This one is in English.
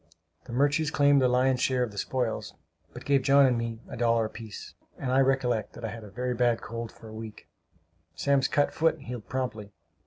The Murches claimed the lion's share of the spoils, but gave John and me a dollar apiece; and I recollect that I had a very bad cold for a week. Sam's cut foot healed promptly.